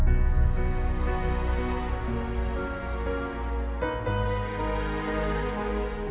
bukan dengan nama tiara